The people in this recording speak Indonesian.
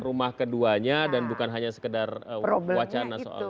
rumah keduanya dan bukan hanya sekedar wacana soal